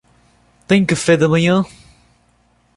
Tem café da manhã?